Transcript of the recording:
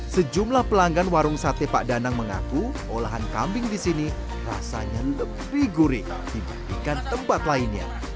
sejumlah pelanggan warung sate pak danang mengaku olahan kambing di sini rasanya lebih gurih dibandingkan tempat lainnya